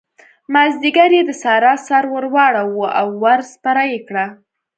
مازديګر يې د سارا سر ور واړاوو او ور سپره يې کړه.